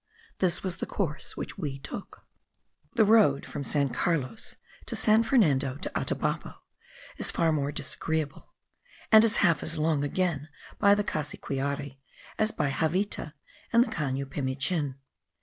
This was the course which we took. The road from San Carlos to San Fernando de Atabapo is far more disagreeable, and is half as long again by the Cassiquiare as by Javita and the Cano Pimichin.